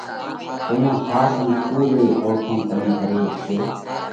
زئيون ۿاس ان ڪُوڙ رئِي اوۯکوڻ تمي ڪري هيڪشو